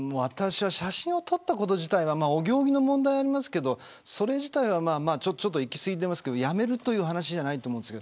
写真を撮ったこと自体はお行儀の問題もありますがそれ自体はいきすぎていますけど辞めるという話じゃないと思います。